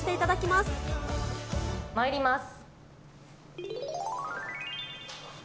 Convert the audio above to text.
まいります。